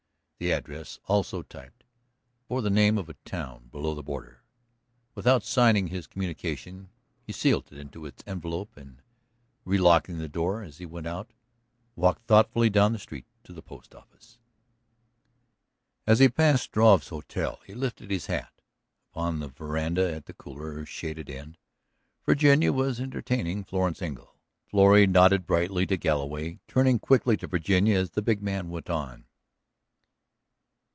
The address, also typed, bore the name of a town below the border. Without signing his communication he sealed it into its envelope and, relocking the door as he went out, walked thoughtfully down the street to the post office. As he passed Struve's hotel he lifted his hat; upon the veranda at the cooler, shaded end, Virginia was entertaining Florence Engle. Florrie nodded brightly to Galloway, turning quickly to Virginia as the big man went on.